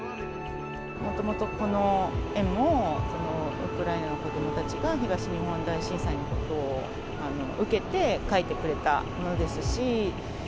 もともとこの絵も、ウクライナの子どもたちが、東日本大震災のことを受けて描いてくれたものですし。